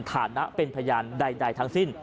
ฐานะเป็นพยานใดทั้งสิ้น